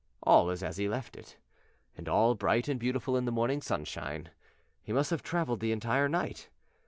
All is as he left it, and all bright and beautiful in the morning sunshine. He must have traveled the entire night.